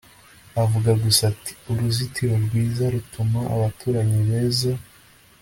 avuga gusa ati 'uruzitiro rwiza rutuma abaturanyi beza